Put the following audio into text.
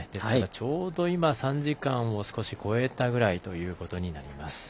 ちょうど、３時間を少し超えたぐらいとなります。